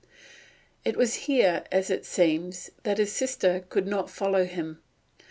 It was here, as it seems, that his sister could not follow him.